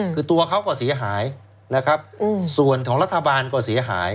คือตัวเขาก็เสียหายนะครับส่วนของรัฐบาลก็เสียหาย